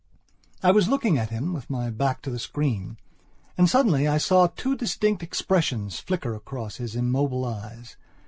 I was looking at him, with my back to the screen. And suddenly, I saw two distinct expressions flicker across his immobile eyes.